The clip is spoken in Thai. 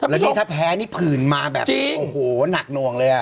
แล้วนี่ถ้าแพ้นี่ผื่นมาแบบโอ้โหหนักหน่วงเลย